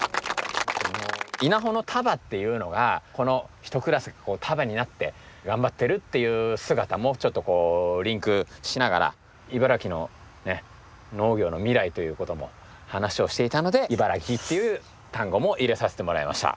「稲穂の束」っていうのがこの１クラスが束になって頑張ってるっていう姿もちょっとリンクしながら茨城の農業の未来ということも話をしていたので「茨城」っていう単語も入れさせてもらいました。